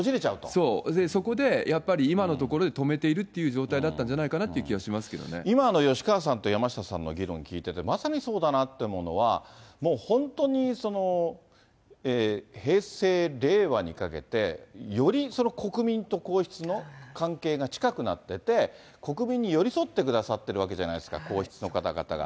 そう、そこでやっぱり今のところで止めているという状態だったんじゃな今の吉川さんと山下さんの議論を聞いていて、まさにそうだなというのは、もう本当に、平成、令和にかけて、より国民と皇室の関係が近くなってて、国民に寄り添ってくださっているわけじゃないですか、皇室の方々が。